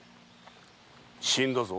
死んだぞ。